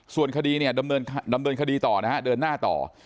ส่วนคดีดำเนินคดีต่อเดินหน้าต่อ